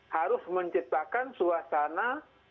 harus menciptakan suasana